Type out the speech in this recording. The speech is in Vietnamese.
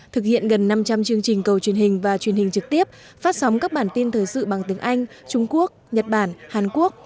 thực hiện gần năm trăm linh chương trình cầu truyền hình và truyền hình trực tiếp phát sóng các bản tin thời sự bằng tiếng anh trung quốc nhật bản hàn quốc